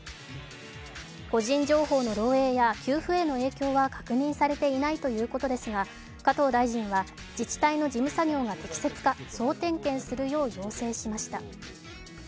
個人情報の漏えいや給付への影響は確認されていないということですが加藤大臣は自治体の事務作業が適切か総点検するよう要請しました。